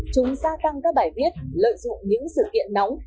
chúng gia tăng các bài viết lợi dụng những sự kiện nóng